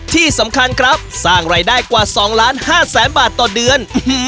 ที่สำคัญครับสร้างรายได้กว่า๒ล้าน๕แสนบาทต่อเดือน